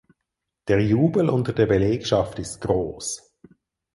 Der Jubel unter der Belegschaft ist groß.